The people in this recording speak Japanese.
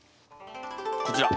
こちら。